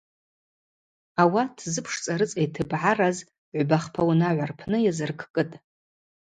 Ауат зыпшцӏа рыцӏа йтыбгӏараз гӏвба-хпа унагӏва рпны йазыркӏкӏытӏ.